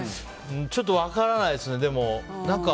ちょっと分からないですね。